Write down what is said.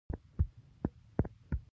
افغانستان په خاوره باندې تکیه لري.